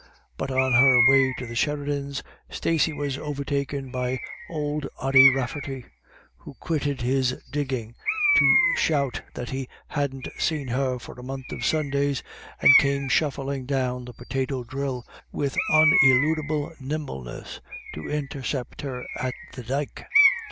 But on her way to the Sheridans, Stacey was overtaken by old Ody Raflerty, who quitted his digging to shout that he hadn't seen her for a month of Sundays, and came shuffling down the potato drill with uneludible nimbleness to intercept her at the dyke.